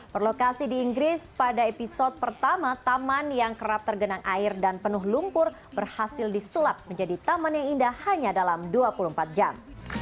berlokasi di inggris pada episode pertama taman yang kerap tergenang air dan penuh lumpur berhasil disulap menjadi taman yang indah hanya dalam dua puluh empat jam